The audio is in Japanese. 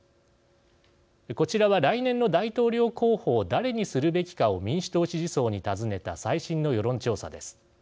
こちらは、来年の大統領候補を誰にするべきかを民主党支持層に尋ねた最新の世論調査です。